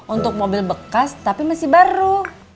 untuk mobil bekas tapi masih baru